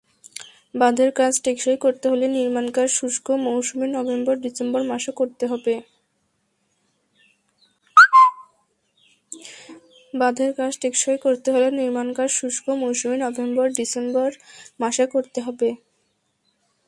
বাঁধের কাজ টেকসই করতে হলে নির্মাণকাজ শুষ্ক মৌসুমের নভেম্বর-ডিসেম্বর মাসে করতে হবে।